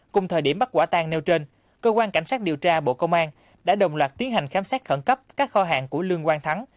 cùng thời điểm bắt quả tang nêu trên cơ quan cảnh sát điều tra bộ công an đã đồng loạt tiến hành khám xét khẩn cấp các kho hàng của lương quang thắng